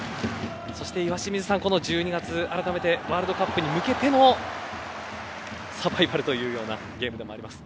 そして岩清水さんこの１２月、あらためてワールドカップに向けてもサバイバルというようなゲームになります。